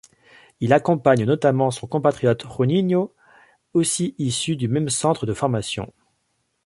Il accompagne notamment son compatriote Juninho, aussi issu du même centre de formation.